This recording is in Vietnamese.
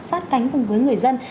sát cánh cùng với người dân